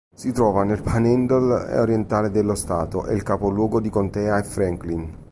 Si trova nel panhandle orientale dello stato e il capoluogo di contea è Franklin.